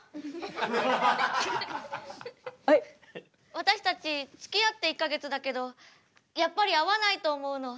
私たちつきあって１か月だけどやっぱり合わないと思うの。